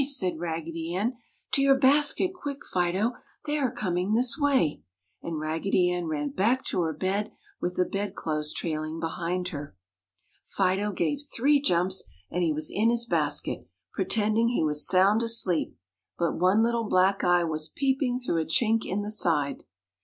said Raggedy Ann. "To your basket quick, Fido! They are coming this way!" And Raggedy Ann ran back to her bed, with the bed clothes trailing behind her. Fido gave three jumps and he was in his basket, pretending he was sound asleep, but one little black eye was peeping through a chink in the side.